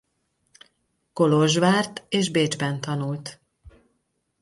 Kolozsvárt és Bécsben tanult.